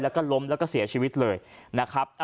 แล้วก็ล้มแล้วก็เสียชีวิตเลยนะครับ